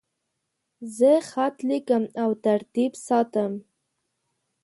زه خط لیکم او ترتیب ساتم.